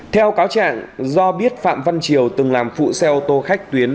theo cáo trạng do biết phạm văn triều từng làm phụ xe ô tô khách tuyến